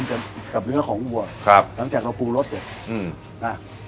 โอนกับเนื้อของวัวหลังจากเราปรุงรสเสร็จ